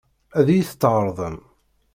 Ad iyi-t-tɛeṛḍem?